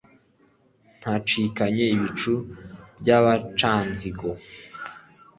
Ntancikanye Bicu bya Bacanzigo.